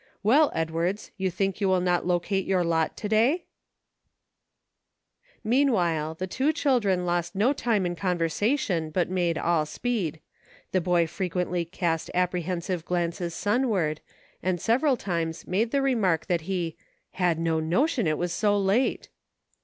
Well, Edwards, you think you will not locate your lot to day ?" Meanwhile, the two children lost no time in con versation, but made all speed. The boy frequently cast apprehensive glances sunward, and several times made the remark that he "had no notion it was so late."